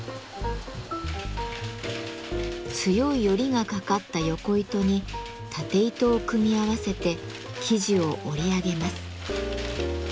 強いヨリがかかったヨコ糸にタテ糸を組み合わせて生地を織り上げます。